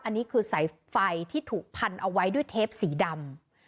อันนี้คือสายไฟที่ถูกพันเอาไว้ด้วยเทปสีดำ